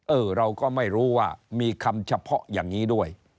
เราก็ไม่รู้ว่ามีคำเฉพาะอย่างนี้ด้วย